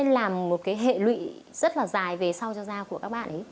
là một cái hệ lụy rất là dài về sau cho da của các bạn ấy